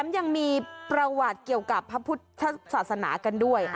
ยังมีประวัติเกี่ยวกับพระพุทธศาสนากันด้วย